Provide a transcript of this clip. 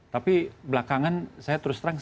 tapi belakangan saya terus terang